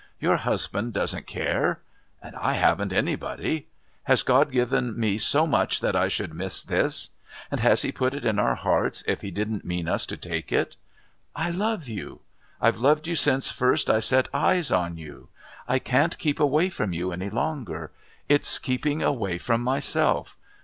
Your husband doesn't care. I haven't anybody. Has God given me so much that I should miss this? And has He put it in our hearts if He didn't mean us to take it? I love you. I've loved you since first I set eyes on you. I can't keep away from you any longer. It's keeping away from myself.